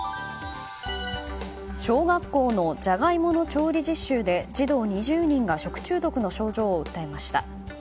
小学校のジャガイモの調理実習で児童２０人が食中毒の症状を訴えました。